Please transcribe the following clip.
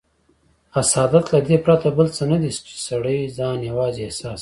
حسادت له دې پرته بل څه نه دی، چې سړی ځان یوازې احساس کړي.